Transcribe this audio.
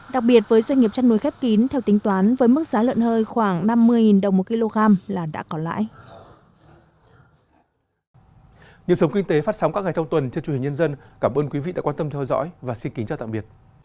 đặc biệt với doanh nghiệp chăn nuôi khép kín theo tính toán với mức giá lợn hơi khoảng năm mươi đồng một kg là đã có lãi